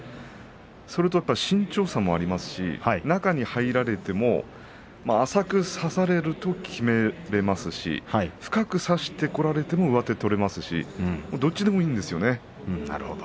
それとやっぱり身長差もありますし中に入られても浅く差されるときめられますし深く差してこられても上手が取れますしどちらでもいいんですよね。